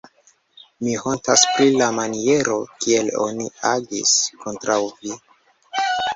mi hontas pri la maniero, kiel oni agis kontraŭ vi.